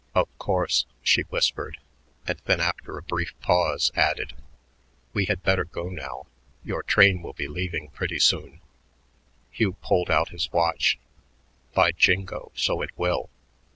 "Of course," she whispered, and then after a brief pause added: "We had better go now. Your train will be leaving pretty soon." Hugh pulled out his watch. "By jingo, so it will."